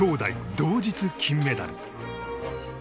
同日金メダル。